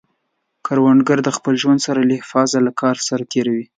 کروندګر د خپل ژوند هره لحظه له کار سره تېر وي